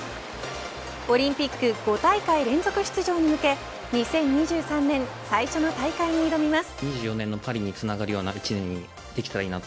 オリンピック５大会連続出場に向け２０２３年最初の大会に挑みます。